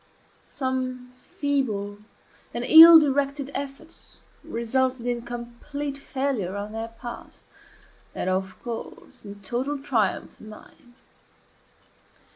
Some feeble and ill directed efforts resulted in complete failure on their part, and, of course, in total triumph on mine.